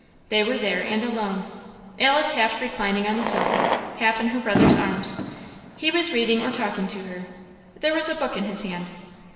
They were there, and alone; Alice half reclining on the sofa, half in her brother's arms; he was reading or talking to her; there was a book in his hand.